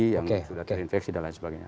yang sudah terinfeksi dan lain sebagainya